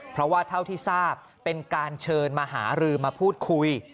เพราะว่าเท่าที่ทราบเป็นการเชิญมาหารือมาพูดคุย